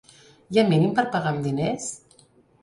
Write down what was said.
Hi ha mínim per pagar amb diners?